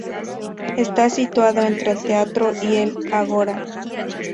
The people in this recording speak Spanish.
Está situado entre el teatro y el ágora.